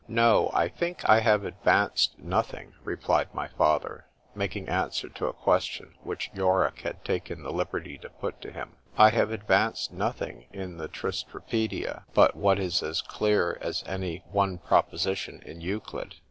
XXX ——No,—I think I have advanced nothing, replied my father, making answer to a question which Yorick had taken the liberty to put to him,—I have advanced nothing in the Tristra pædia, but what is as clear as any one proposition in _Euclid.